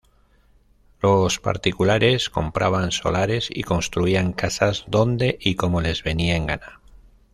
Los particulares compraban solares y construían casas donde y como les venía en gana.